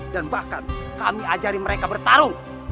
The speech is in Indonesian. dan bahkan kami ajarin mereka bertarung